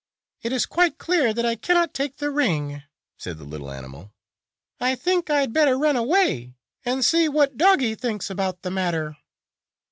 "It is quite clear that I cannot take the ring," said the little animal. " I think I had better run away and see what Doggie thinks about the matter."